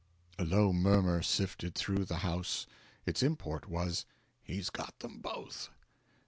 A low murmur sifted through the house; its import was, "He's got them both."